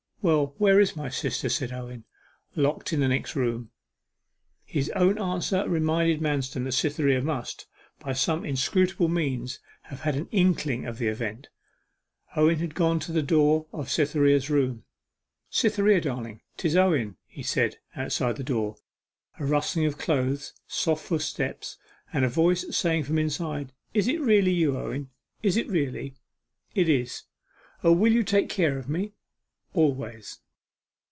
'Well, where is my sister?' said Owen. 'Locked in the next room.' His own answer reminded Manston that Cytherea must, by some inscrutable means, have had an inkling of the event. Owen had gone to the door of Cytherea's room. 'Cytherea, darling 'tis Owen,' he said, outside the door. A rustling of clothes, soft footsteps, and a voice saying from the inside, 'Is it really you, Owen, is it really?' 'It is.' 'O, will you take care of me?' 'Always.